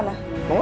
ma aku pergi ya